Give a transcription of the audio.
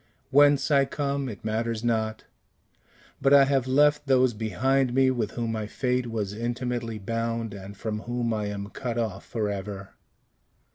"Whence I come it matters not; but I have left those behind me with whom my fate was intimately bound, and from whom I am cut off forever.